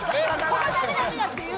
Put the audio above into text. ここはダメだっていう。